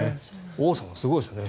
王さんはすごいですよね。